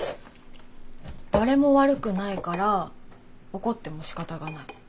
誰も悪くないから怒ってもしかたがない。